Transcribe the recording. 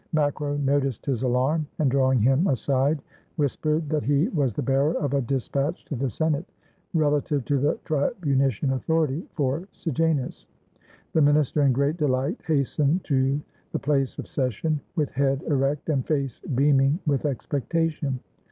Macro noticed his alarm, and drawing him aside whispered that he was the bearer of a dispatch to the Senate relative to the tribunician authority for Sejanus. The minister in great delight hastened to the place of session, with head erect and face beaming with expectation.